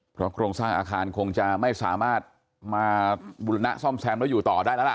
เพราะโครงสร้างอาคารคงจะไม่สามารถมาบุรณะซ่อมแซมแล้วอยู่ต่อได้แล้วล่ะ